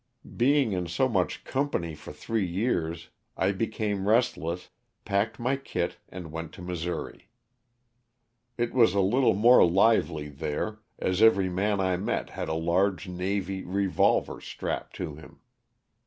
Being in so much company for three years I became LOSS OF THE SULTANA. 69 restless, packed my kit aad went to Missouri. It was a little more lively there, as every man I met had a large navy revolver strapped to him.